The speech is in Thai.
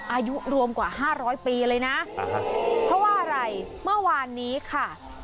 อายุรวมกว่าห้าร้อยปีเลยนะเพราะว่าอะไรเมื่อวานนี้ค่ะ